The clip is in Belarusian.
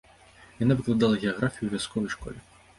Яна выкладала геаграфію ў вясковай школе.